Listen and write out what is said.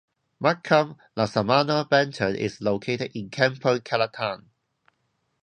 Makam Laksamana Bentan is located in Kampung Kelantan.